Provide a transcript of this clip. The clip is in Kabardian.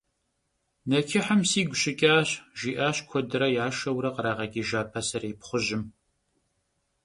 «Neçıhım sigu şıç'aş», - jji'aşş kuedre yaşşeure khrageç'ıjja paserêy pxhujım.